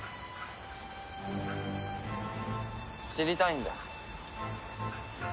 知りたいんだ。